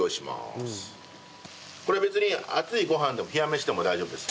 これ別に熱いご飯でも冷や飯でも大丈夫です。